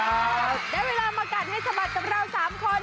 ได้เวลามากัดให้สะบัดกับเรา๓คน